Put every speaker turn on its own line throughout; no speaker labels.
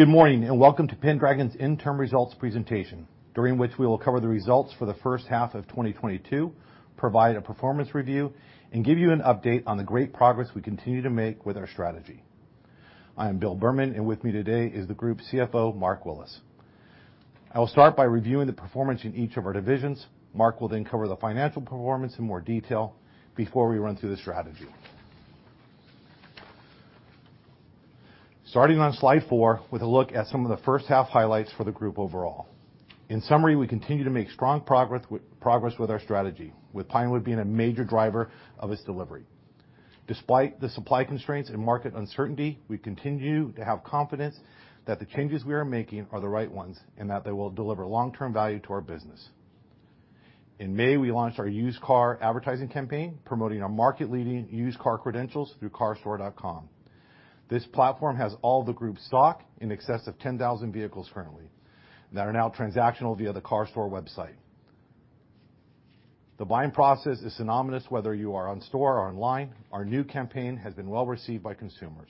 Good morning, and welcome to Pendragon's Interim Results presentation, during which we will cover the results for the first half of 2022, provide a performance review, and give you an update on the great progress we continue to make with our strategy. I am Bill Berman, and with me today is the group CFO, Mark Willis. I will start by reviewing the performance in each of our divisions. Mark will then cover the financial performance in more detail before we run through the strategy. Starting on slide four with a look at some of the first half highlights for the group overall. In summary, we continue to make strong progress with our strategy, with Pinewood being a major driver of its delivery. Despite the supply constraints and market uncertainty, we continue to have confidence that the changes we are making are the right ones and that they will deliver long-term value to our business. In May, we launched our used car advertising campaign promoting our market-leading used car credentials through CarStore.com. This platform has all the group stock in excess of 10,000 vehicles currently that are now transactional via the CarStore website. The buying process is synonymous whether you are on store or online. Our new campaign has been well received by consumers.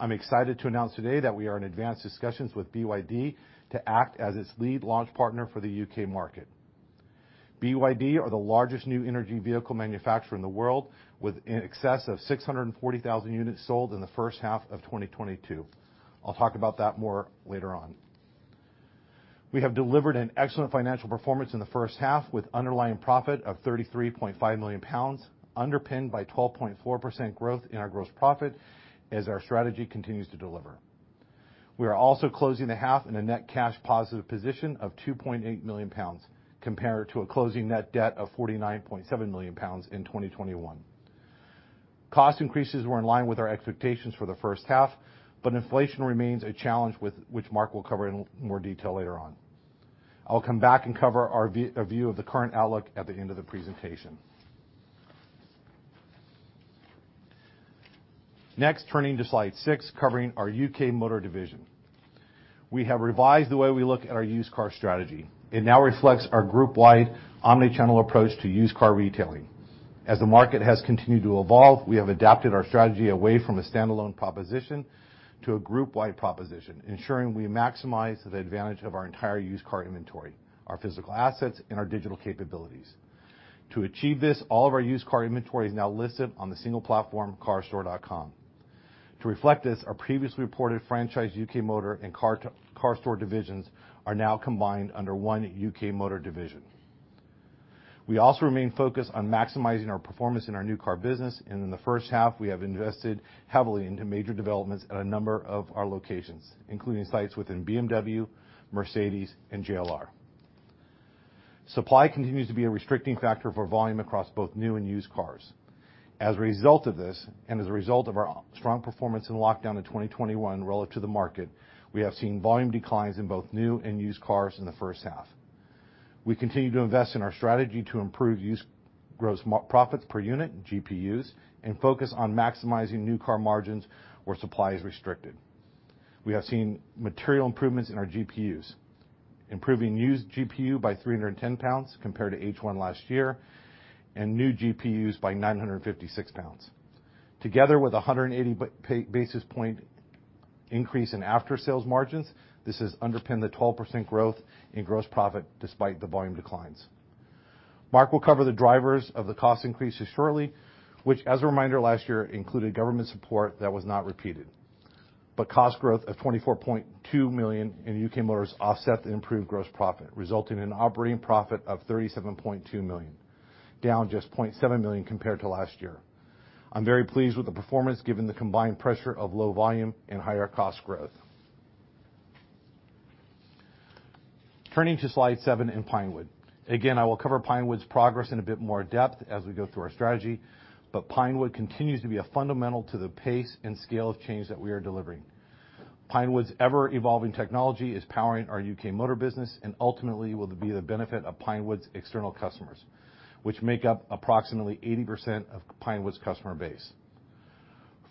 I'm excited to announce today that we are in advanced discussions with BYD to act as its lead launch partner for the U.K. market. BYD are the largest new energy vehicle manufacturer in the world, with in excess of 640,000 units sold in the first half of 2022. I'll talk about that more later on. We have delivered an excellent financial performance in the first half, with underlying profit of 33.5 million pounds, underpinned by 12.4% growth in our gross profit as our strategy continues to deliver. We are also closing the half in a net cash positive position of 2.8 million pounds compared to a closing net debt of 49.7 million pounds in 2021. Cost increases were in line with our expectations for the first half, but inflation remains a challenge with which Mark will cover in more detail later on. I'll come back and cover our view of the current outlook at the end of the presentation. Next, turning to slide six, covering our UK Motor division. We have revised the way we look at our used car strategy. It now reflects our group-wide omni-channel approach to used car retailing. As the market has continued to evolve, we have adapted our strategy away from a standalone proposition to a group-wide proposition, ensuring we maximize the advantage of our entire used car inventory, our physical assets, and our digital capabilities. To achieve this, all of our used car inventory is now listed on the single platform, CarStore.com. To reflect this, our previously reported Franchised UK Motor and CarStore divisions are now combined under one UK Motor division. We also remain focused on maximizing our performance in our new car business, and in the first half we have invested heavily into major developments at a number of our locations, including sites within BMW, Mercedes, and JLR. Supply continues to be a restricting factor for volume across both new and used cars. As a result of this, and as a result of our strong performance in lockdown in 2021 relative to the market, we have seen volume declines in both new and used cars in the first half. We continue to invest in our strategy to improve used gross profits per unit, GPUs, and focus on maximizing new car margins where supply is restricted. We have seen material improvements in our GPUs, improving used GPU by 310 pounds compared to H1 last year, and new GPUs by 956 pounds. Together with a 180 basis point increase in after sales margins, this has underpinned the 12% growth in gross profit despite the volume declines. Mark will cover the drivers of the cost increases shortly, which as a reminder, last year included government support that was not repeated. Cost growth of 24.2 million in UK Motor offset the improved gross profit, resulting in operating profit of 37.2 million, down just 0.7 million compared to last year. I'm very pleased with the performance given the combined pressure of low volume and higher cost growth. Turning to slide seven in Pinewood. Again, I will cover Pinewood's progress in a bit more depth as we go through our strategy, but Pinewood continues to be a fundamental to the pace and scale of change that we are delivering. Pinewood's ever-evolving technology is powering our UK Motor business and ultimately will be the benefit of Pinewood's external customers, which make up approximately 80% of Pinewood's customer base.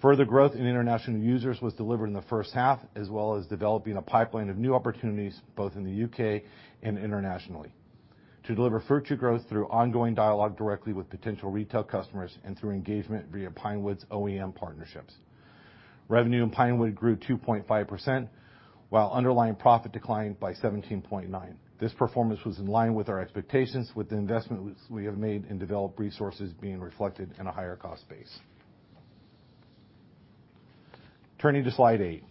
Further growth in international users was delivered in the first half, as well as developing a pipeline of new opportunities both in the U.K. and internationally to deliver future growth through ongoing dialogue directly with potential retail customers and through engagement via Pinewood's OEM partnerships. Revenue in Pinewood grew 2.5%, while underlying profit declined by 17.9%. This performance was in line with our expectations with the investments we have made in developed resources being reflected in a higher cost base. Turning to slide eight,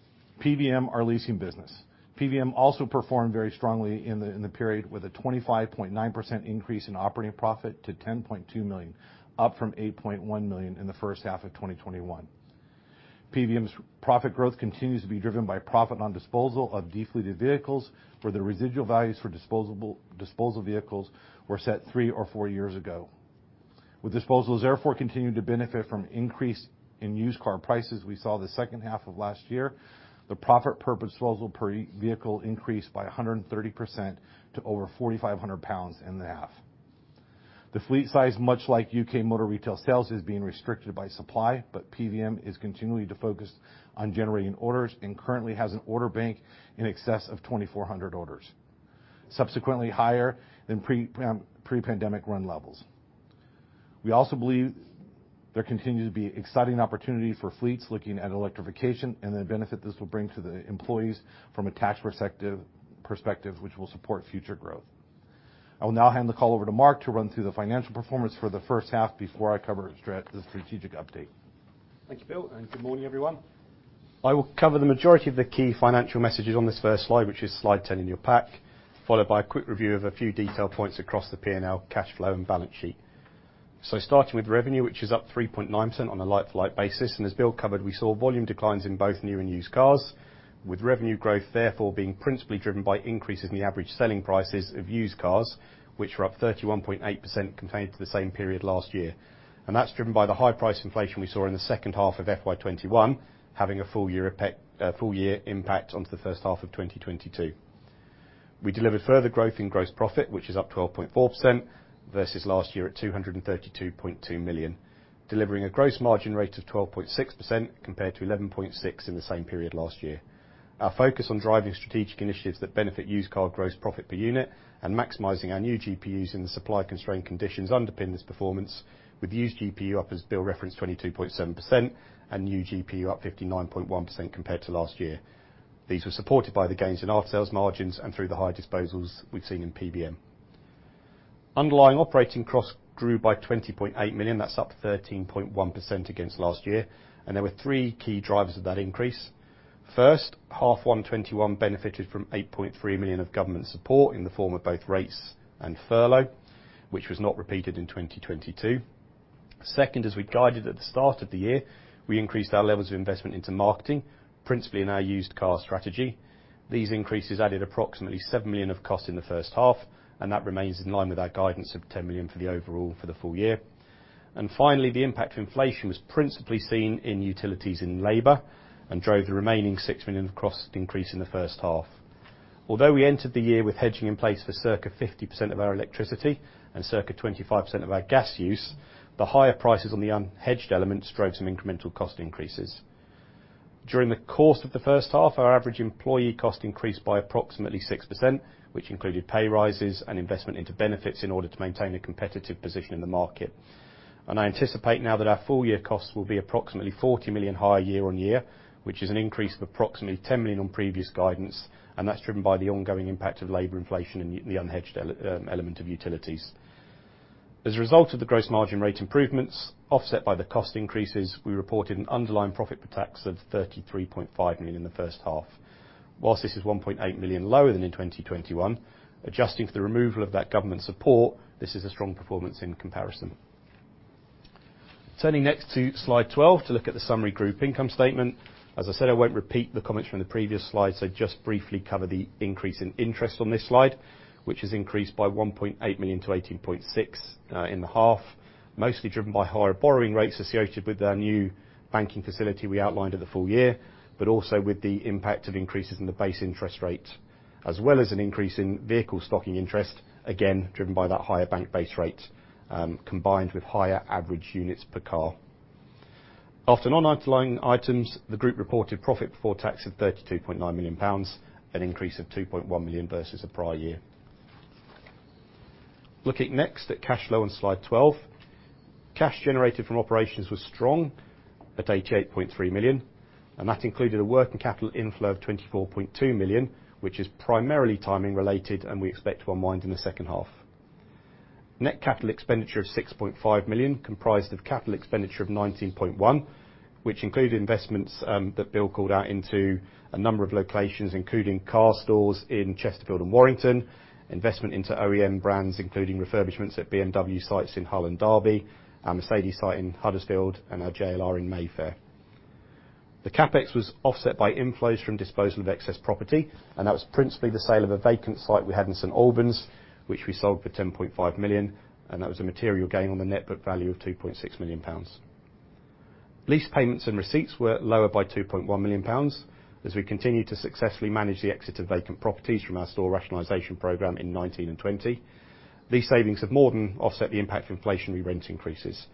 PVM, our leasing business. PVM also performed very strongly in the period with a 25.9% increase in operating profit to 10.2 million, up from 8.1 million in the first half of 2021. PVM's profit growth continues to be driven by profit on disposal of defleeted vehicles, where the residual values for disposal vehicles were set three or four years ago. With disposals therefore continuing to benefit from increase in used car prices we saw the second half of last year, the profit per disposal per vehicle increased by 130% to over 4,500 pounds in the half. The fleet size, much like UK Motor retail sales, is being restricted by supply, but PVM is continuing to focus on generating orders and currently has an order bank in excess of 2,400 orders, subsequently higher than pre-pandemic run levels. We also believe there continue to be exciting opportunities for fleets looking at electrification and the benefit this will bring to the employees from a tax perspective, which will support future growth. I will now hand the call over to Mark to run through the financial performance for the first half before I cover this strategic update.
Thank you, Bill, and good morning, everyone. I will cover the majority of the key financial messages on this first slide, which is slide 10 in your pack, followed by a quick review of a few detail points across the P&L cash flow and balance sheet. Starting with revenue, which is up 3.9% on a like-for-like basis, and as Bill covered, we saw volume declines in both new and used cars, with revenue growth therefore being principally driven by increases in the average selling prices of used cars, which were up 31.8% compared to the same period last year. That's driven by the high price inflation we saw in the second half of FY 2021, having a full year impact onto the first half of 2022. We delivered further growth in gross profit, which is up 12.4% versus last year at 232.2 million, delivering a gross margin rate of 12.6% compared to 11.6% in the same period last year. Our focus on driving strategic initiatives that benefit used car gross profit per unit and maximizing our new GPUs in the supply-constrained conditions underpin this performance with used GPU up, as Bill referenced, 22.7% and new GPU up 59.1% compared to last year. These were supported by the gains in our sales margins and through the high disposals we've seen in PVM. Underlying operating costs grew by 20.8 million. That's up 13.1% against last year, and there were three key drivers of that increase. First, half one 2021 benefited from 8.3 million of government support in the form of both rates and furlough, which was not repeated in 2022. Second, as we guided at the start of the year, we increased our levels of investment into marketing, principally in our used car strategy. These increases added approximately 7 million of costs in the first half, and that remains in line with our guidance of 10 million for the overall for the full year. Finally, the impact of inflation was principally seen in utilities and labor and drove the remaining 6 million of cost increase in the first half. Although we entered the year with hedging in place for circa 50% of our electricity and circa 25% of our gas use, the higher prices on the unhedged elements drove some incremental cost increases. During the course of the first half, our average employee cost increased by approximately 6%, which included pay rises and investment into benefits in order to maintain a competitive position in the market. I anticipate now that our full year costs will be approximately 40 million higher year-on-year, which is an increase of approximately 10 million on previous guidance, and that's driven by the ongoing impact of labor inflation and the unhedged element of utilities. As a result of the gross margin rate improvements, offset by the cost increases, we reported an underlying profit for tax of 33.5 million in the first half. While this is 1.8 million lower than in 2021, adjusting for the removal of that government support, this is a strong performance in comparison. Turning next to slide 12 to look at the summary group income statement. As I said, I won't repeat the comments from the previous slide, so just briefly cover the increase in interest on this slide, which has increased by 1.8 million to 18.6 million in the half, mostly driven by higher borrowing rates associated with our new banking facility we outlined at the full year, but also with the impact of increases in the base interest rate, as well as an increase in vehicle stocking interest, again, driven by that higher bank base rate, combined with higher average units per car. After non-underlying items, the group reported profit before tax of 32.9 million pounds, an increase of 2.1 million versus the prior year. Looking next at cash flow on slide 12. Cash generated from operations was strong at 88.3 million, and that included a working capital inflow of 24.2 million, which is primarily timing related, and we expect to unwind in the second half. Net capital expenditure of 6.5 million comprised of capital expenditure of 19.1, which included investments that Bill called out into a number of locations, including CarStore stores in Chesterfield and Warrington, investment into OEM brands, including refurbishments at BMW sites in Hull and Derby, our Mercedes site in Huddersfield, and our JLR in Mayfair. The CapEx was offset by inflows from disposal of excess property, and that was principally the sale of a vacant site we had in St. Albans, which we sold for 10.5 million, and that was a material gain on the net book value of 2.6 million pounds. Lease payments and receipts were lower by 2.1 million pounds. As we continue to successfully manage the exit of vacant properties from our store rationalization program in 2019 and 2020, these savings have more than offset the impact of inflationary rent increases.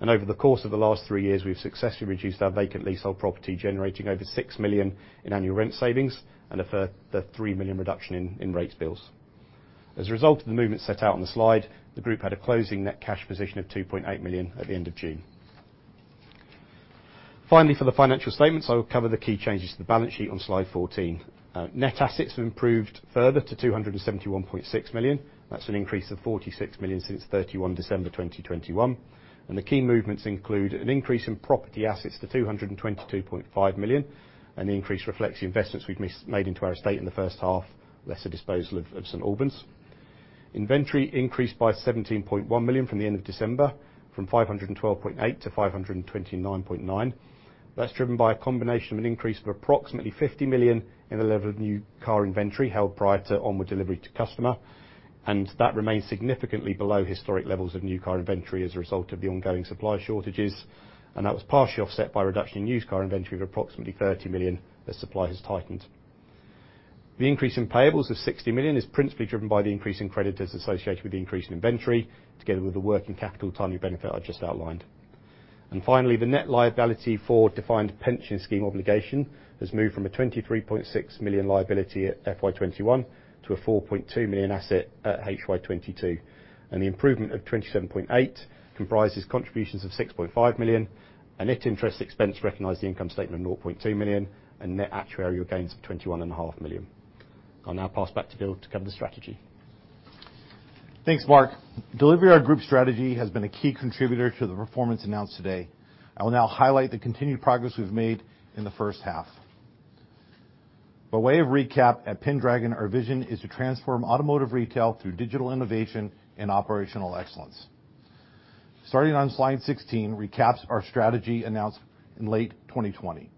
Over the course of the last three years, we've successfully reduced our vacant leasehold property, generating over 6 million in annual rent savings and a further 3 million reduction in rates bills. As a result of the movement set out on the slide, the group had a closing net cash position of 2.8 million at the end of June. Finally, for the financial statements, I will cover the key changes to the balance sheet on slide 14. Net assets have improved further to 271.6 million. That's an increase of 46 million since 31 December 2021, and the key movements include an increase in property assets to 222.5 million, an increase reflects the investments we've made into our estate in the first half, less a disposal of St. Albans. Inventory increased by 17.1 million from the end of December from 512.8 million to 529.9 million. That's driven by a combination of an increase of approximately 50 million in the level of new car inventory held prior to onward delivery to customer, and that remains significantly below historic levels of new car inventory as a result of the ongoing supply shortages. That was partially offset by a reduction in used car inventory of approximately 30 million as supply has tightened. The increase in payables of 60 million is principally driven by the increase in creditors associated with the increase in inventory, together with the working capital timing benefit I just outlined. Finally, the net liability for defined pension scheme obligation has moved from a 23.6 million liability at FY 2021 to a 4.2 million asset at HY 2022. The improvement of 27.8 million comprises contributions of 6.5 million, a net interest expense recognized in the income statement of 0.2 million, and net actuarial gains of 21.5 million. I'll now pass back to Bill to cover the strategy.
Thanks, Mark. Delivering our group strategy has been a key contributor to the performance announced today. I will now highlight the continued progress we've made in the first half. By way of recap, at Pendragon, our vision is to transform automotive retail through digital innovation and operational excellence. Starting on slide 16 recaps our strategy announced in late 2020.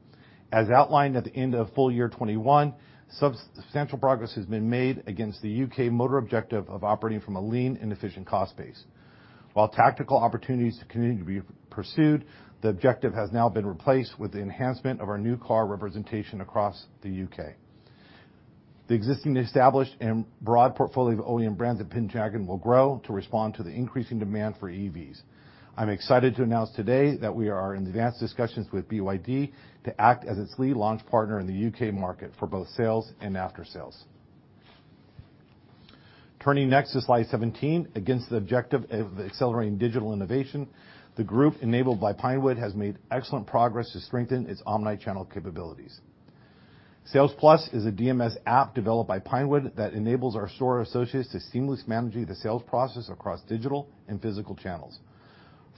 As outlined at the end of full year 2021, substantial progress has been made against the UK Motor objective of operating from a lean and efficient cost base. While tactical opportunities continue to be pursued, the objective has now been replaced with the enhancement of our new car representation across the U.K. The existing established and broad portfolio of OEM brands at Pendragon will grow to respond to the increasing demand for EVs. I'm excited to announce today that we are in advanced discussions with BYD to act as its lead launch partner in the U.K. market for both sales and after sales. Turning next to slide 17, against the objective of accelerating digital innovation, the group, enabled by Pinewood, has made excellent progress to strengthen its omni-channel capabilities. Sales+ is a DMS app developed by Pinewood that enables our store associates to seamlessly manage the sales process across digital and physical channels.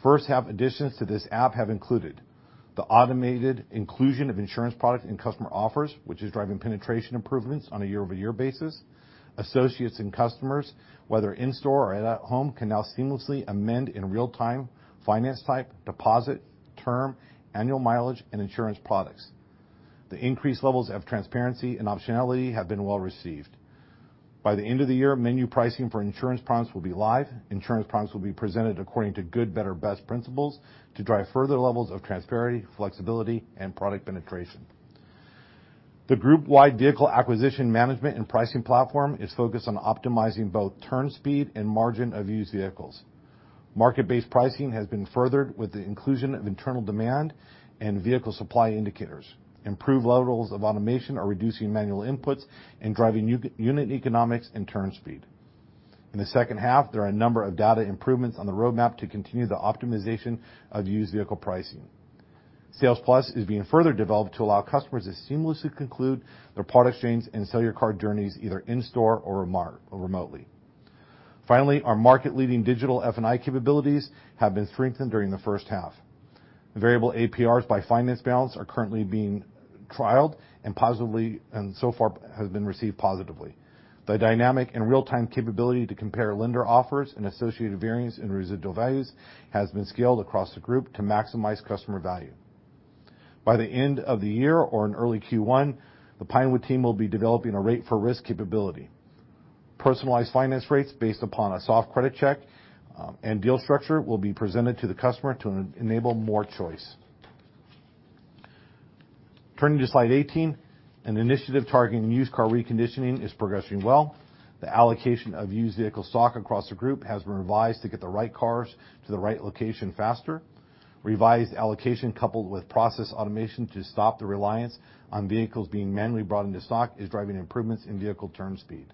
First half additions to this app have included the automated inclusion of insurance products and customer offers, which is driving penetration improvements on a year-over-year basis. Associates and customers, whether in-store or at home, can now seamlessly amend in real time, finance type, deposit, term, annual mileage, and insurance products. The increased levels of transparency and optionality have been well received. By the end of the year, menu pricing for insurance products will be live. Insurance products will be presented according to good, better, best principles to drive further levels of transparency, flexibility, and product penetration. The group-wide vehicle acquisition management and pricing platform is focused on optimizing both turn speed and margin of used vehicles. Market-based pricing has been furthered with the inclusion of internal demand and vehicle supply indicators. Improved levels of automation are reducing manual inputs and driving unit economics and turn speed. In the second half, there are a number of data improvements on the roadmap to continue the optimization of used vehicle pricing. Sales+ is being further developed to allow customers to seamlessly conclude their part exchange and sell their car journeys either in-store or remotely. Finally, our market-leading digital F&I capabilities have been strengthened during the first half. Variable APRs by finance balance are currently being trialed and positively, and so far have been received positively. The dynamic and real-time capability to compare lender offers and associated variance in residual values has been scaled across the group to maximize customer value. By the end of the year or in early Q1, the Pinewood team will be developing a rate for risk capability. Personalized finance rates based upon a soft credit check and deal structure will be presented to the customer to enable more choice. Turning to slide 18, an initiative targeting used car reconditioning is progressing well. The allocation of used vehicle stock across the group has been revised to get the right cars to the right location faster. Revised allocation coupled with process automation to stop the reliance on vehicles being manually brought into stock is driving improvements in vehicle turn speed.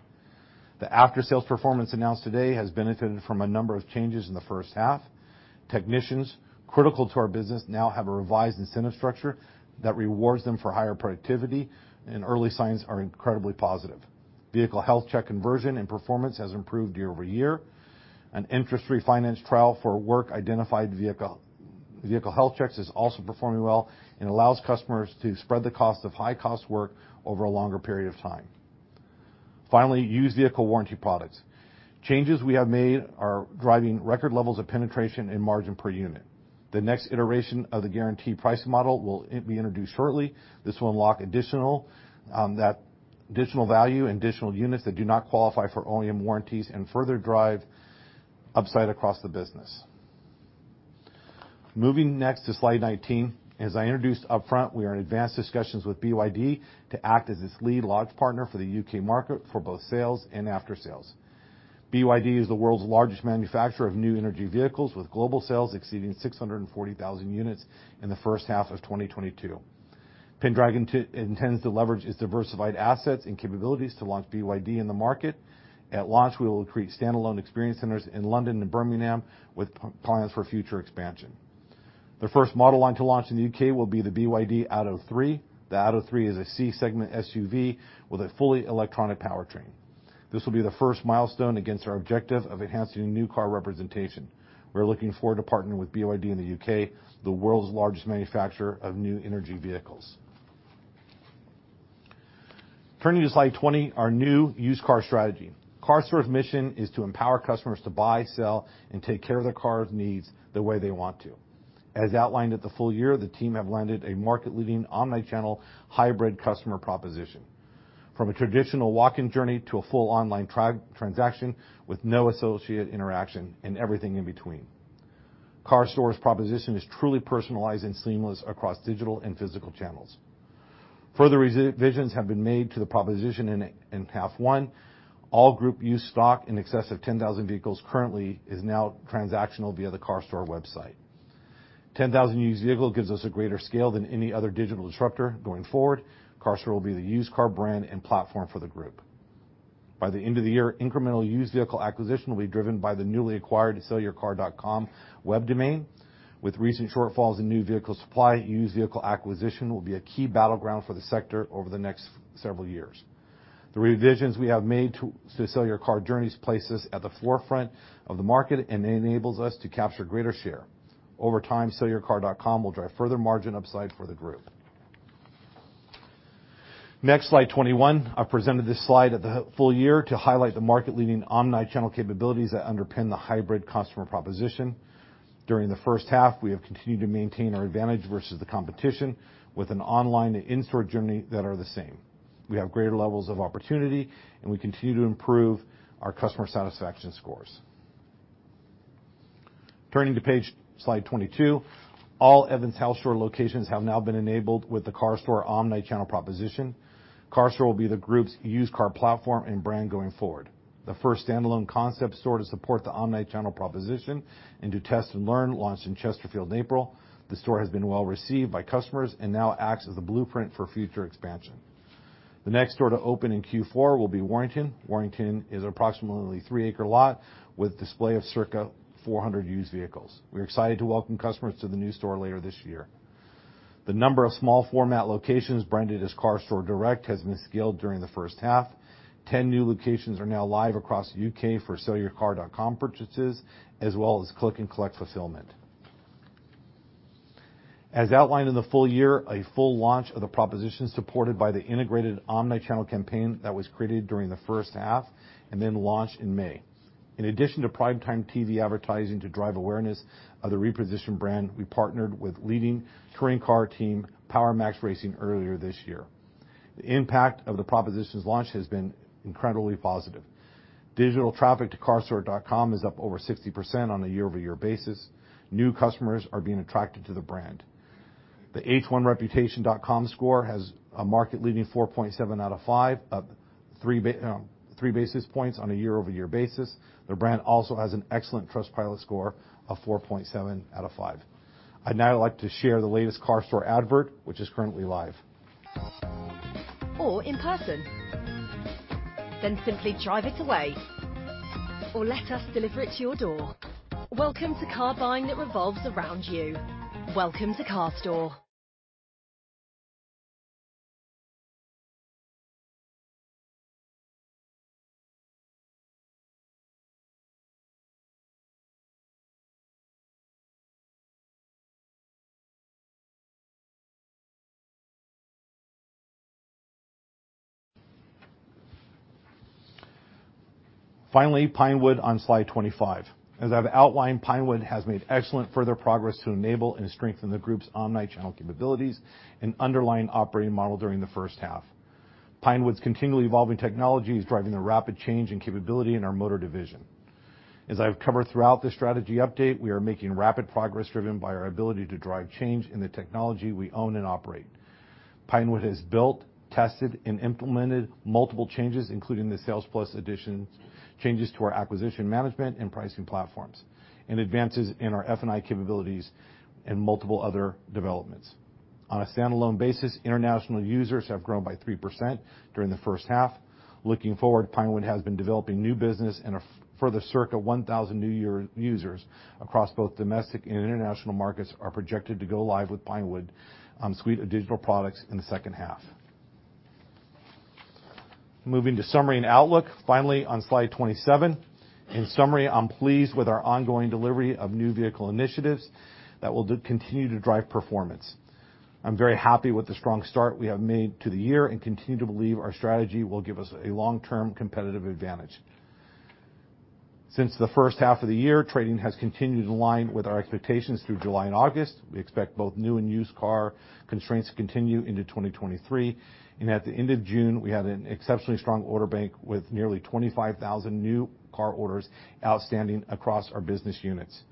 The after-sales performance announced today has benefited from a number of changes in the first half. Technicians critical to our business now have a revised incentive structure that rewards them for higher productivity and early signs are incredibly positive. Vehicle health check conversion and performance has improved year-over-year. An interest-free finance trial for work-identified vehicle. Vehicle health checks is also performing well and allows customers to spread the cost of high-cost work over a longer period of time. Finally, used vehicle warranty products. Changes we have made are driving record levels of penetration and margin per unit. The next iteration of the guarantee pricing model will be introduced shortly. This will unlock additional, that additional value and additional units that do not qualify for OEM warranties and further drive upside across the business. Moving next to slide 19. As I introduced up front, we are in advanced discussions with BYD to act as its lead launch partner for the U.K. market for both sales and aftersales. BYD is the world's largest manufacturer of new energy vehicles with global sales exceeding 640,000 units in the first half of 2022. Pendragon intends to leverage its diversified assets and capabilities to launch BYD in the market. At launch, we will create stand-alone experience centers in London and Birmingham with plans for future expansion. The first model line to launch in the U.K. will be the BYD ATTO 3. The ATTO 3 is a C-segment SUV with a fully electronic powertrain. This will be the first milestone against our objective of enhancing new car representation. We're looking forward to partnering with BYD in the U.K., the world's largest manufacturer of new energy vehicles. Turning to slide 20, our new used car strategy. CarStore's mission is to empower customers to buy, sell, and take care of their car's needs the way they want to. As outlined at the full year, the team have landed a market-leading omni-channel hybrid customer proposition. From a traditional walk-in journey to a full online transaction with no associate interaction and everything in between. CarStore's proposition is truly personalized and seamless across digital and physical channels. Further revisions have been made to the proposition in half one. All group used stock in excess of 10,000 vehicles currently is now transactional via the CarStore website. 10,000 used vehicle gives us a greater scale than any other digital disruptor. Going forward, CarStore will be the used car brand and platform for the group. By the end of the year, incremental used vehicle acquisition will be driven by the newly acquired SellYourCar.com web domain. With recent shortfalls in new vehicle supply, used vehicle acquisition will be a key battleground for the sector over the next several years. The revisions we have made to SellYourCar journeys places at the forefront of the market and enables us to capture greater share. Over time, SellYourCar.com will drive further margin upside for the group. Next, slide 21. I presented this slide at the full year to highlight the market-leading omni-channel capabilities that underpin the hybrid customer proposition. During the first half, we have continued to maintain our advantage versus the competition with an online and in-store journey that are the same. We have greater levels of opportunity, and we continue to improve our customer satisfaction scores. Turning to page, slide 22. All Evans Halshaw locations have now been enabled with the CarStore omni-channel proposition. CarStore will be the group's used car platform and brand going forward. The first standalone concept store to support the omni-channel proposition and do test and learn launched in Chesterfield in April. The store has been well-received by customers and now acts as a blueprint for future expansion. The next store to open in Q4 will be Warrington. Warrington is approximately 3-acre lot with display of circa 400 used vehicles. We're excited to welcome customers to the new store later this year. The number of small format locations branded as CarStore Direct has been scaled during the first half. 10 new locations are now live across the U.K. for SellYourCar.com purchases, as well as click and collect fulfillment. As outlined in the full year, a full launch of the proposition supported by the integrated omni-channel campaign that was created during the first half and then launched in May. In addition to primetime TV advertising to drive awareness of the repositioned brand, we partnered with leading touring car team, Power Maxed Racing earlier this year. The impact of the proposition's launch has been incredibly positive. Digital traffic to CarStore.com is up over 60% on a year-over-year basis. New customers are being attracted to the brand. The H1 Reputation.com score has a market leading 4.7 out of 5, up three basis points on a year-over-year basis. The brand also has an excellent Trustpilot score of 4.7 out of 5. I'd now like to share the latest CarStore advert, which is currently live.
Awe in person. Simply drive it away or let us deliver it to your door. Welcome to car buying that revolves around you. Welcome to CarStore.
Finally, Pinewood on slide 25. As I've outlined, Pinewood has made excellent further progress to enable and strengthen the group's omni-channel capabilities and underlying operating model during the first half. Pinewood's continually evolving technology is driving a rapid change in capability in our motor division. As I've covered throughout the strategy update, we are making rapid progress driven by our ability to drive change in the technology we own and operate. Pinewood has built, tested, and implemented multiple changes, including the Sales+ additions, changes to our acquisition management and pricing platforms, and advances in our F&I capabilities and multiple other developments. On a standalone basis, international users have grown by 3% during the first half. Looking forward, Pinewood has been developing new business and further circa 1,000 new users across both domestic and international markets are projected to go live with Pinewood our suite of digital products in the second half. Moving to summary and outlook. Finally, on slide 27. In summary, I'm pleased with our ongoing delivery of new vehicle initiatives that will continue to drive performance. I'm very happy with the strong start we have made to the year and continue to believe our strategy will give us a long-term competitive advantage. Since the first half of the year, trading has continued in line with our expectations through July and August. We expect both new and used car constraints to continue into 2023. At the end of June, we had an exceptionally strong order bank with nearly 25,000 new car orders outstanding across our business units.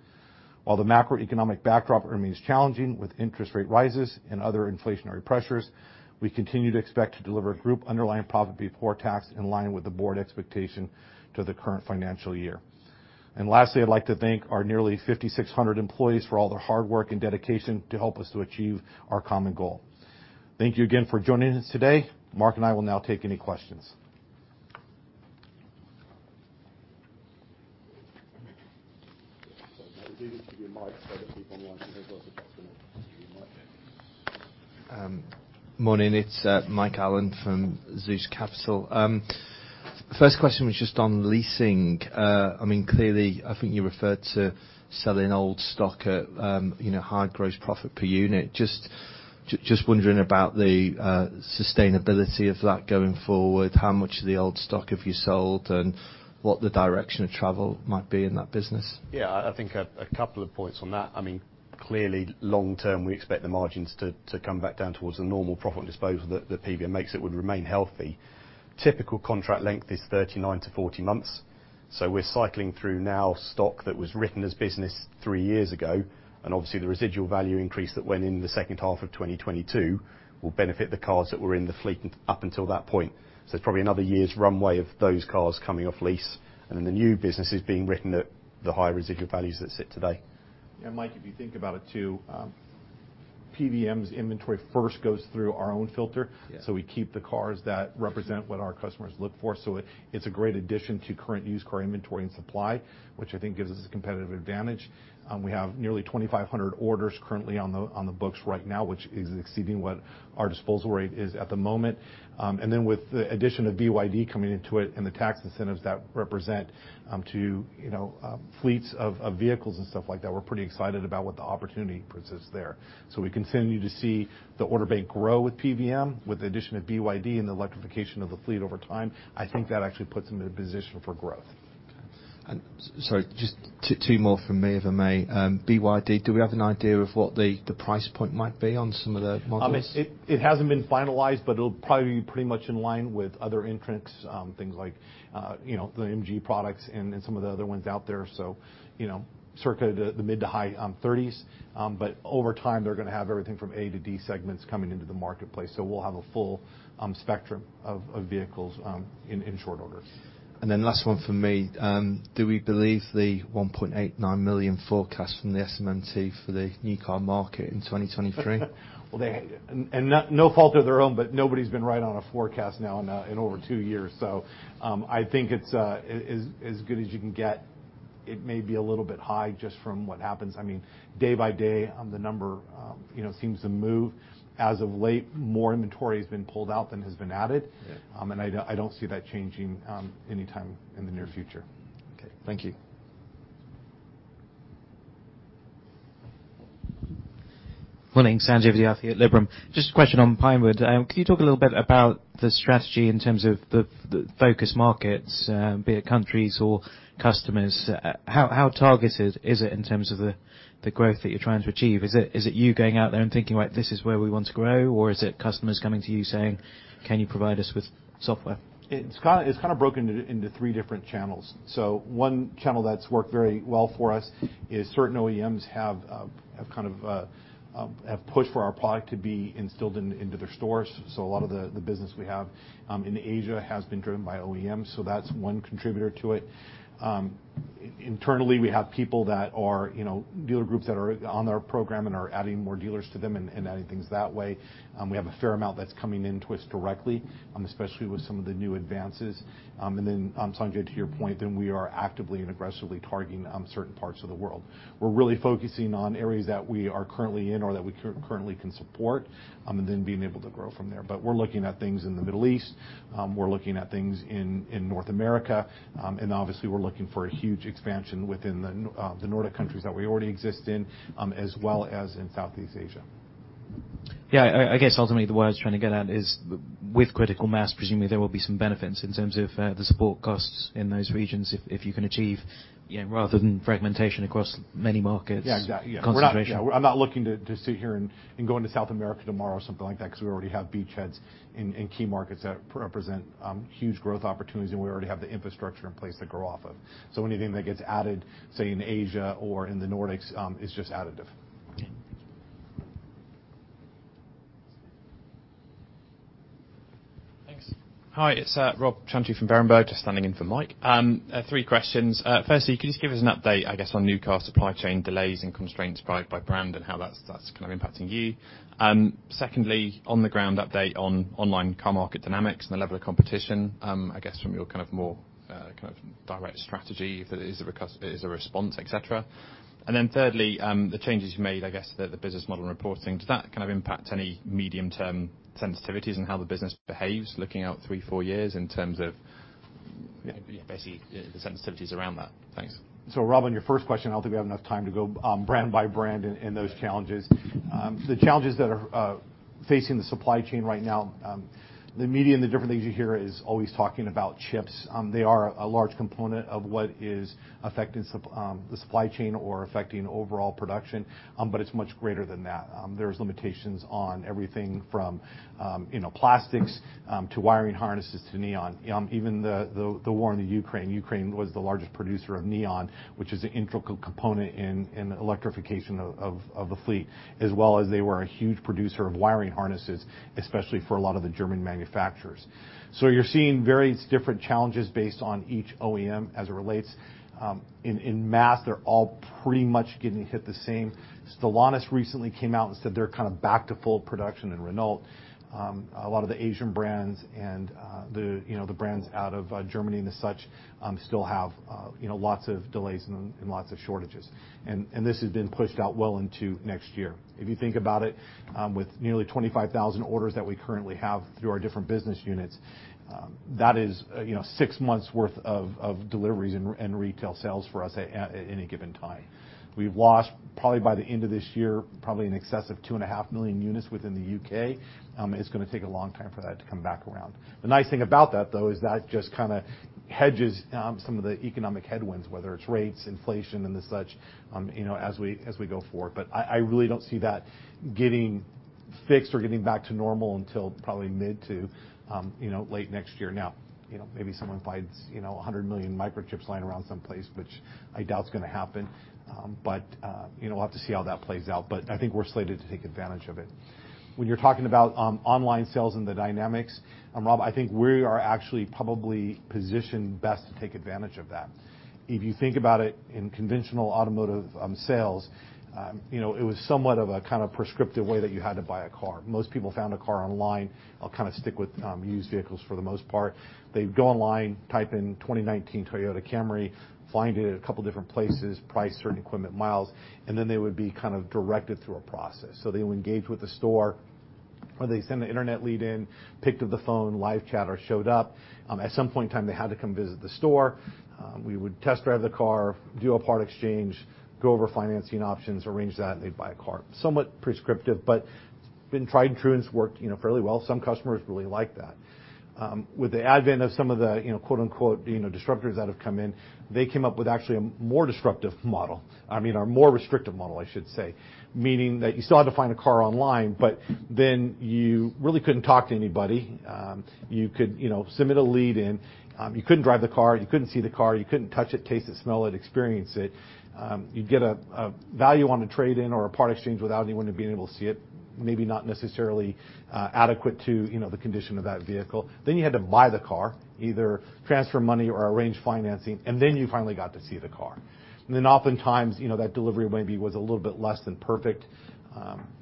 While the macroeconomic backdrop remains challenging with interest rate rises and other inflationary pressures, we continue to expect to deliver group underlying profit before tax in line with the board expectation to the current financial year. Lastly, I'd like to thank our nearly 5,600 employees for all their hard work and dedication to help us to achieve our common goal. Thank you again for joining us today. Mark and I will now take any questions. Is it easy to get a mic so that people online can hear what's happening?
Morning, it's Mike Allen from Zeus Capital. First question was just on leasing. I mean, clearly, I think you referred to selling old stock at, you know, high gross profit per unit. Just wondering about the sustainability of that going forward. How much of the old stock have you sold, and what the direction of travel might be in that business?
Yeah, I think a couple of points on that. I mean Clearly, long term, we expect the margins to come back down towards the normal profit profile that PVM makes. It would remain healthy. Typical contract length is 39 months-40 months. We're cycling through now stock that was written as business three years ago, and obviously the residual value increase that went in the second half of 2022 will benefit the cars that were in the fleet up until that point. It's probably another year's runway of those cars coming off lease, and then the new business is being written at the higher residual values that sit today.
Yeah, Mike, if you think about it too, PVM's inventory first goes through our own filter. We keep the cars that represent what our customers look for. It's a great addition to current used car inventory and supply, which I think gives us a competitive advantage. We have nearly 2,500 orders currently on the books right now, which is exceeding what our disposal rate is at the moment. And then with the addition of BYD coming into it and the tax incentives that represent to you know fleets of vehicles and stuff like that, we're pretty excited about what the opportunity presents there. We continue to see the order bank grow with PVM. With the addition of BYD and the electrification of the fleet over time, I think that actually puts them in a position for growth.
Okay. Sorry, just two more from me, if I may. BYD, do we have an idea of what the price point might be on some of the models?
It hasn't been finalized, but it'll probably be pretty much in line with other entrants, things like, you know, the MG products and some of the other ones out there. You know, circa the mid- to high-30s. Over time, they're gonna have everything from A to D segments coming into the marketplace. We'll have a full spectrum of vehicles in short order.
Last one from me. Do we believe the 1.89 million forecast from the SMMT for the new car market in 2023?
No fault of their own, but nobody's been right on a forecast now in over two years. I think it's as good as you can get. It may be a little bit high just from what happens. I mean, day by day, the number, you know, seems to move. As of late, more inventory has been pulled out than has been added. I don't see that changing anytime in the near future.
Okay. Thank you.
Morning. Sanjay Vidyarthi at Liberum. Just a question on Pinewood. Can you talk a little bit about the strategy in terms of the focus markets, be it countries or customers. How targeted is it in terms of the growth that you're trying to achieve? Is it you going out there and thinking, "Right, this is where we want to grow," or is it customers coming to you saying, "Can you provide us with software?"
It's kind of broken into three different channels. One channel that's worked very well for us is certain OEMs have pushed for our product to be instilled into their stores. A lot of the business we have in Asia has been driven by OEMs. That's one contributor to it. Internally, we have dealer groups that are on our program and are adding more dealers to them and adding things that way. We have a fair amount that's coming into us directly, especially with some of the new advances. Sanjay, to your point, we are actively and aggressively targeting certain parts of the world. We're really focusing on areas that we are currently in or that we currently can support, and then being able to grow from there. We're looking at things in the Middle East. We're looking at things in North America. Obviously, we're looking for a huge expansion within the Nordic countries that we already exist in, as well as in Southeast Asia.
Yeah. I guess ultimately the words trying to get at is with critical mass, presumably there will be some benefits in terms of the support costs in those regions if you can achieve, you know, rather than fragmentation across many markets' concentration.
Yeah. Got it, yeah. We're not, yeah, I'm not looking to sit here and go into South America tomorrow or something like that 'cause we already have beachheads in key markets that represent huge growth opportunities, and we already have the infrastructure in place to grow off of. Anything that gets added, say in Asia or in the Nordics, is just additive.
Okay. Thank you.
Thanks. Hi, it's Rob Chantry from Berenberg, just standing in for Mike. Three questions. Firstly, can you just give us an update, I guess, on new car supply chain delays and constraints by brand and how that's kind of impacting you? Secondly, on the ground update on online car market dynamics and the level of competition, I guess from your kind of more kind of direct strategy, if it is a response, et cetera. Thirdly, the changes you made, I guess, the business model and reporting. Does that kind of impact any medium term sensitivities in how the business behaves looking out three, four years in terms of basically the sensitivities around that? Thanks.
Rob, on your first question, I don't think we have enough time to go, brand by brand in those challenges. The challenges that are facing the supply chain right now, the media and the different things you hear is always talking about chips. They are a large component of what is affecting the supply chain or affecting overall production, but it's much greater than that. There's limitations on everything from, you know, plastics, to wiring harnesses to neon. Even the war in Ukraine. Ukraine was the largest producer of neon, which is an integral component in electrification of the fleet, as well as they were a huge producer of wiring harnesses, especially for a lot of the German manufacturers. You're seeing various different challenges based on each OEM as it relates. En masse, they're all pretty much getting hit the same. Stellantis recently came out and said they're kind of back to full production and Renault. A lot of the Asian brands and you know the brands out of Germany and such still have you know lots of delays and lots of shortages. This has been pushed out well into next year. If you think about it, with nearly 25,000 orders that we currently have through our different business units, that is you know six months worth of deliveries and retail sales for us at any given time. We've lost probably by the end of this year, probably in excess of 2.5 million units within the U.K. It's gonna take a long time for that to come back around. The nice thing about that, though, is that just kinda hedges some of the economic headwinds, whether it's rates, inflation and the such, you know, as we go forward. I really don't see that getting fixed or getting back to normal until probably mid to, you know, late next year. Now, you know, maybe someone finds, you know, 100 million microchips lying around someplace, which I doubt is going to happen. We'll have to see how that plays out, but I think we're slated to take advantage of it. When you're talking about online sales and the dynamics, Rob, I think we are actually probably positioned best to take advantage of that. If you think about it in conventional automotive sales, you know, it was somewhat of a kind of prescriptive way that you had to buy a car. Most people found a car online. I'll kind of stick with used vehicles for the most part. They'd go online, type in 2019 Toyota Camry, find it in a couple different places, price, certain equipment, miles, and then they would be kind of directed through a process. They would engage with the store, or they send the internet lead in, picked up the phone, live chat, or showed up. At some point in time, they had to come visit the store. We would test drive the car, do a part exchange, go over financing options, arrange that, and they'd buy a car. Somewhat prescriptive, but it's been tried and true, and it's worked, you know, fairly well. Some customers really like that. With the advent of some of the, you know, quote-unquote, you know, disruptors that have come in, they came up with actually a more disruptive model. I mean, a more restrictive model, I should say. Meaning that you still had to find a car online, but then you really couldn't talk to anybody. You could, you know, submit a lead in. You couldn't drive the car, you couldn't see the car, you couldn't touch it, taste it, smell it, experience it. You'd get a value on a trade-in or a part exchange without anyone being able to see it, maybe not necessarily adequate to, you know, the condition of that vehicle. You had to buy the car, either transfer money or arrange financing, and then you finally got to see the car. Oftentimes, you know, that delivery maybe was a little bit less than perfect.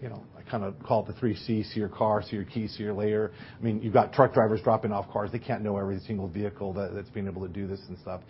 You know, I kind of call it the three sees, see your car, see your keys, see you later. I mean, you've got truck drivers dropping off cars. They can't know every single vehicle that's being able to do this and stuff.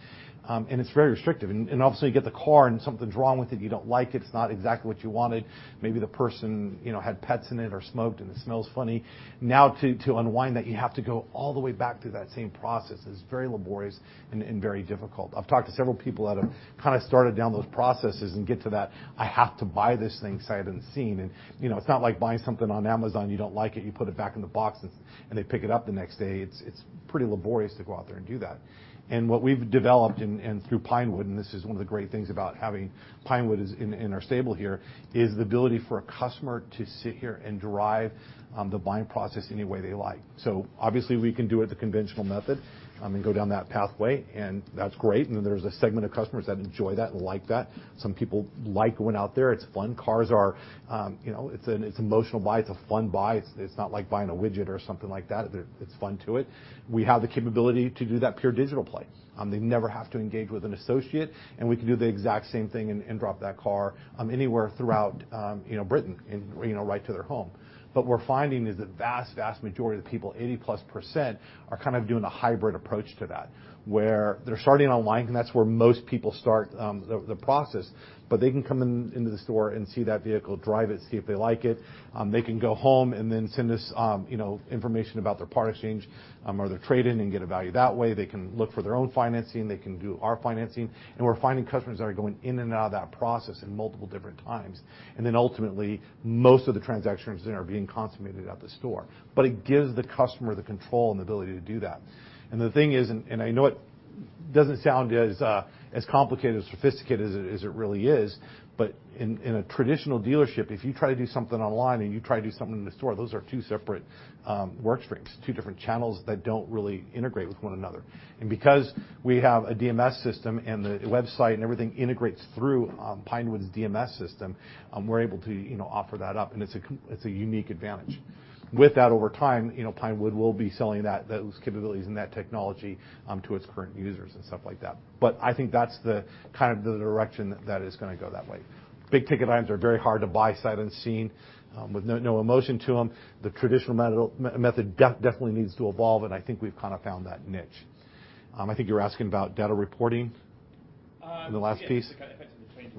It's very restrictive. Obviously, you get the car, and something's wrong with it, you don't like it's not exactly what you wanted. Maybe the person, you know, had pets in it or smoked, and it smells funny. Now to unwind that, you have to go all the way back through that same process. It's very laborious and very difficult. I've talked to several people that have kind of started down those processes and get to that, I have to buy this thing sight unseen. You know, it's not like buying something on Amazon, you don't like it, you put it back in the box and they pick it up the next day. It's pretty laborious to go out there and do that. What we've developed in and through Pinewood, and this is one of the great things about having Pinewood is in our stable here, is the ability for a customer to sit here and drive the buying process any way they like. Obviously we can do it the conventional method and go down that pathway, and that's great. There's a segment of customers that enjoy that and like that. Some people like going out there. It's fun. Cars are, you know, it's an emotional buy. It's a fun buy. It's not like buying a widget or something like that. There, it's fun to it. We have the capability to do that pure digital play. They never have to engage with an associate, and we can do the exact same thing and drop that car anywhere throughout, you know, Britain and, you know, right to their home. We're finding is that vast majority of the people, 80%+, are kind of doing a hybrid approach to that, where they're starting online, and that's where most people start, the process. They can come in, into the store and see that vehicle, drive it, see if they like it. They can go home and then send us, you know, information about their part exchange, or their trade-in and get a value that way. They can look for their own financing. They can do our financing. We're finding customers that are going in and out of that process in multiple different times. Then ultimately, most of the transactions then are being consummated at the store. It gives the customer the control and ability to do that. The thing is, I know it doesn't sound as complicated or sophisticated as it really is, but in a traditional dealership, if you try to do something online, and you try to do something in the store, those are two separate work streams, two different channels that don't really integrate with one another. Because we have a DMS system and the website and everything integrates through Pinewood's DMS system, we're able to, you know, offer that up, and it's a unique advantage. With that, over time, you know, Pinewood will be selling those capabilities and that technology to its current users and stuff like that. I think that's the kind of direction that is gonna go that way. Big-ticket items are very hard to buy sight unseen with no emotion to them. The traditional method definitely needs to evolve, and I think we've kind of found that niche. I think you're asking about data reporting in the last piece.
Yeah. I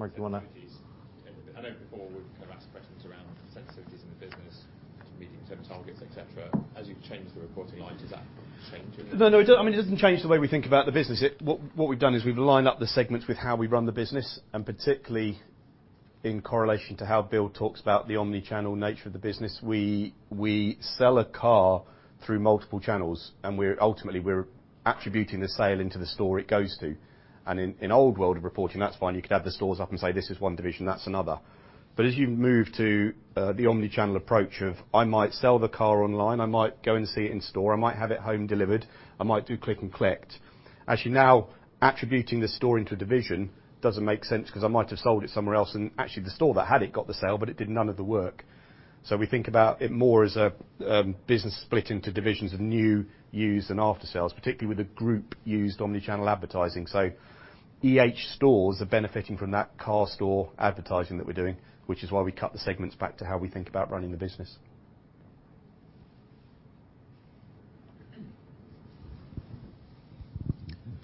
know before we've kind of asked questions around sensitivities in the business, meeting certain targets, et cetera. As you've changed the reporting line, does that change anything?
No, it don't. I mean, it doesn't change the way we think about the business. What we've done is we've lined up the segments with how we run the business, and particularly in correlation to how Bill talks about the omni-channel nature of the business. We sell a car through multiple channels, and we're ultimately attributing the sale into the store it goes to. In old world of reporting, that's fine. You could add the stores up and say, this is one division, that's another. As you move to the omni-channel approach of I might sell the car online, I might go and see it in store, I might have it home delivered, I might do click and collect. Actually now attributing the store into a division doesn't make sense because I might have sold it somewhere else, and actually the store that had it got the sale, but it did none of the work. We think about it more as a business split into divisions of new, used, and after sales, particularly with the group used omni-channel advertising. EH stores are benefiting from that CarStore advertising that we're doing, which is why we cut the segments back to how we think about running the business.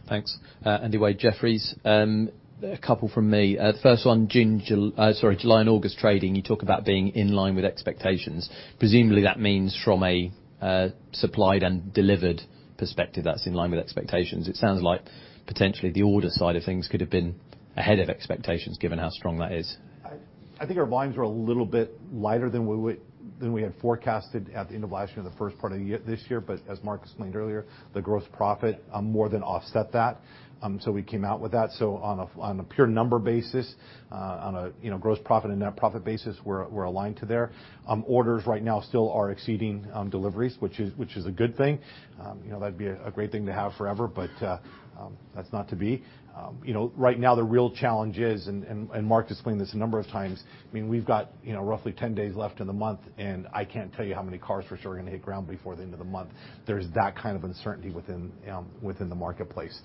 Thanks. Andy Wade, Jefferies. A couple from me. The first one, July and August trading, you talk about being in line with expectations. Presumably, that means from a supplied and delivered perspective that's in line with expectations. It sounds like potentially the order side of things could have been ahead of expectations given how strong that is.
I think our volumes were a little bit lighter than we had forecasted at the end of last year, this year. As Mark Willis explained earlier, the gross profit more than offset that. We came out with that. On a pure number basis, you know, gross profit and net profit basis, we're aligned to there. Orders right now still are exceeding deliveries, which is a good thing. You know, that'd be a great thing to have forever, but that's not to be. You know, right now the real challenge is, and Mark explained this a number of times, I mean, we've got, you know, roughly 10 days left in the month, and I can't tell you how many cars for sure are gonna hit ground before the end of the month. There's that kind of uncertainty within the marketplace,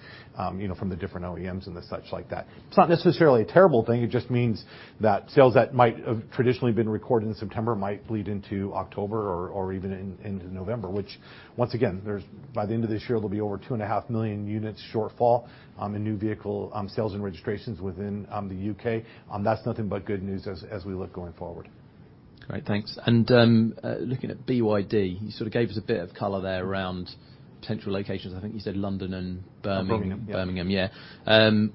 you know, from the different OEMs and the such like that. It's not necessarily a terrible thing. It just means that sales that might have traditionally been recorded in September might bleed into October or even into November, which once again, there's by the end of this year, there'll be over 2.5 million units shortfall in new vehicle sales and registrations within the U.K. That's nothing but good news as we look going forward.
Great. Thanks. Looking at BYD, you sort of gave us a bit of color there around potential locations. I think you said London and Birmingham.
Birmingham.
Birmingham, yeah.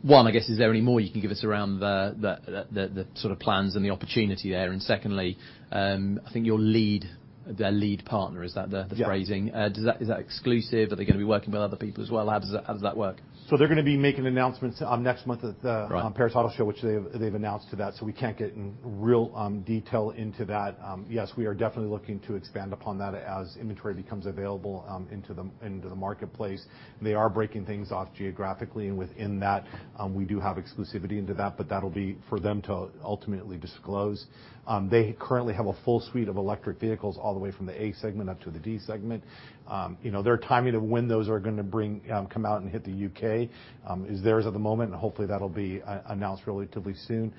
One, I guess, is there any more you can give us around the sort of plans and the opportunity there? Secondly, I think your lead, their lead partner, is that the phrasing? Is that exclusive? Are they gonna be working with other people as well? How does that work?
They're gonna be making announcements next month at the Paris Auto Show, which they've announced that, so we can't get in real detail into that. Yes, we are definitely looking to expand upon that as inventory becomes available into the marketplace. They are breaking things off geographically, and within that, we do have exclusivity into that, but that'll be for them to ultimately disclose. They currently have a full suite of electric vehicles all the way from the A segment up to the D segment. You know, their timing of when those are gonna come out and hit the U.K. is theirs at the moment, and hopefully that'll be announced relatively soon.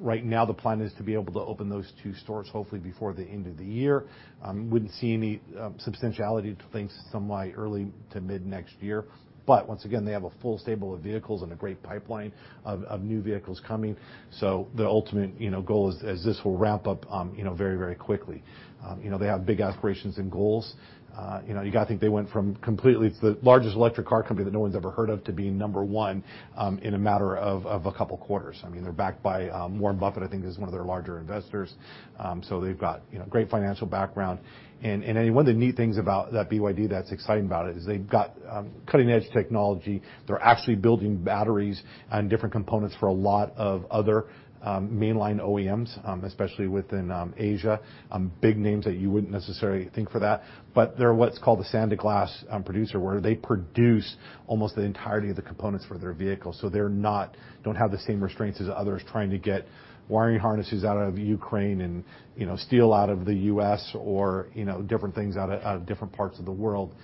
Right now, the plan is to be able to open those two stores hopefully before the end of the year. Wouldn't see any substantial activity until somewhat early to mid next year. Once again, they have a full stable of vehicles and a great pipeline of new vehicles coming. The ultimate, you know, goal is this will ramp up, you know, very, very quickly. You know, they have big aspirations and goals. You know, you gotta think they went from a completely unknown electric car company that no one's ever heard of to being number one in a matter of a couple quarters. I mean, they're backed by Warren Buffett, I think is one of their larger investors. They've got, you know, great financial background. One of the neat things about that, BYD, that's exciting about it is they've got cutting-edge technology. They're actually building batteries and different components for a lot of other mainline OEMs, especially within Asia. Big names that you wouldn't necessarily think of that, but they' re what's called a sandglass producer, where they produce almost the entirety of the components for their vehicles. So they don't have the same restraints as others trying to get wiring harnesses out of Ukraine and, you know, steel out of the U.S or, you know, different things out of different parts of the world.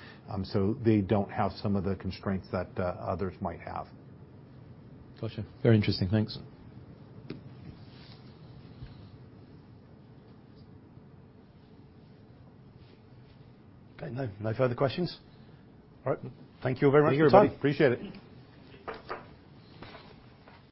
So they don't have some of the constraints that others might have.
Gotcha. Very interesting. Thanks.
Okay. No, no further questions. All right. Thank you very much for your time.
Thank you, appreciate it.